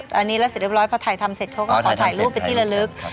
ตอนนี้แล้วเสร็จเรียบร้อยพอถ่ายทำเสร็จเขาก็ขอถ่ายรูปเป็นที่ละลึก